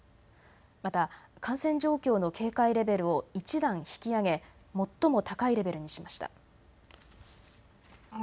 また感染状況の警戒レベルを１段引き上げ最も高いレベルにしました。